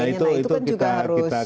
nah itu kan juga harus ada edukasi